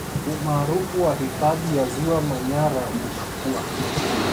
Umaarufu wa hifadhi ya Ziwa Manyara unakua